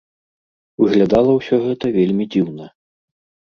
Выглядала ўсё гэта вельмі дзіўна.